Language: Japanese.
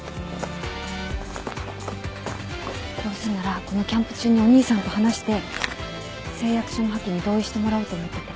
どうせならこのキャンプ中にお兄さんと話して誓約書の破棄に同意してもらおうと思ってて。